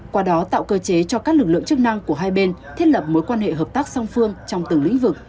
qua đó tạo cơ chế cho các lực lượng chức năng của hai bên thiết lập mối quan hệ hợp tác song phương trong từng lĩnh vực